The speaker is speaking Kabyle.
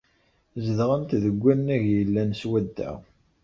Zedɣent deg wannag yellan swadda.